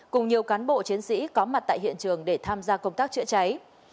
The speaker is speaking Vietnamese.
cùng nhiều cán bộ chiến sĩ có mặt tại hiện trường để tham gia công tác chữa cháy